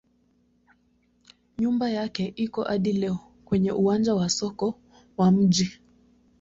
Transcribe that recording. Nyumba yake iko hadi leo kwenye uwanja wa soko wa mji.